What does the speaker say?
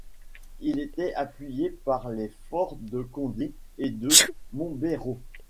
Il était appuyé par les forts de Condé et de Montbérault.